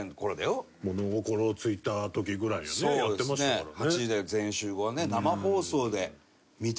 物心ついた時ぐらいにねやってましたからね。